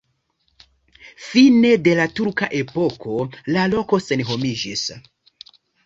Fine de la turka epoko la loko senhomiĝis.